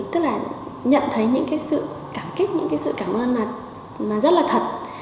tức là nhận thấy những cái sự cảm kích những cái sự cảm ơn nó rất là thật